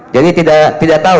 jadi tidak tahu